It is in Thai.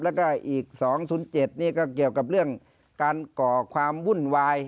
แล้วก็อีก๒๐๗นี่ก็เกี่ยวกับเรื่องการก่อความวุ่นวาย